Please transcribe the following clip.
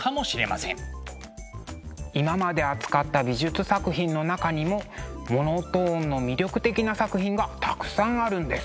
今まで扱った美術作品の中にもモノトーンの魅力的な作品がたくさんあるんです。